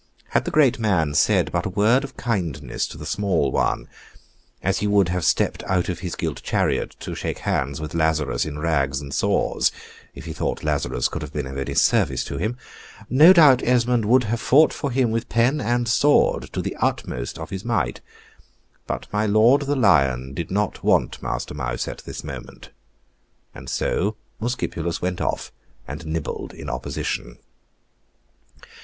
Had the great man said but a word of kindness to the small one (as he would have stepped out of his gilt chariot to shake hands with Lazarus in rags and sores, if he thought Lazarus could have been of any service to him), no doubt Esmond would have fought for him with pen and sword to the utmost of his might; but my lord the lion did not want master mouse at this moment, and so Muscipulus went off and nibbled in opposition.